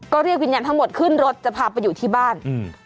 ก็เรียกวิญญาณทั้งหมดขึ้นรถจะพาไปอยู่ที่บ้านอืม